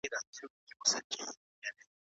د ګاونډ ډېرو نجونو په دغه کورس کې نومونه لیکلي وو.